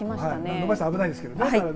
伸ばしたら危ないですけどね。